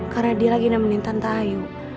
karena dia lagi nemenin tante ayu